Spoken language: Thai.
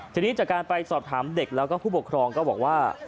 ทีนี้จากการไปสอบถามเด็กแล้วก็ผู้ปกครองก็บอกว่า